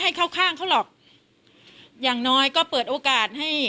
กินโทษส่องแล้วอย่างนี้ก็ได้